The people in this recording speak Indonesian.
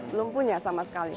belum punya sama sekali